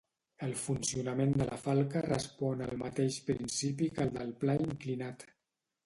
El funcionament de la falca respon al mateix principi que el del pla inclinat.